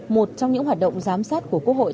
một trong những hoạt động giám sát của quốc hội